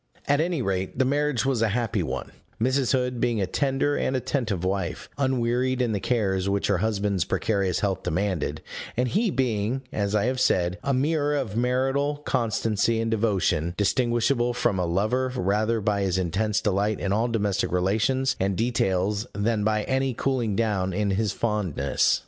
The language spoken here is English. At any rate the marriage was a happy one; Mrs. Hood being a tender and attentive wife, unwearied in the cares which her husband's precarious health demanded, and he being (as I have said) a mirror of marital constancy and devotion, distinguishable from a lover rather by his intense delight in all domestic relations and details than by any cooling down in his fondness.